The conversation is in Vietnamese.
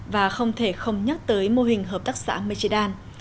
và không thể không nhắc tới mô hình hợp tác xã mechidan